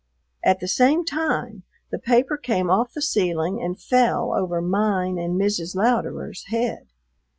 At the same time the paper came off the ceiling and fell over mine and Mrs. Louderer's head.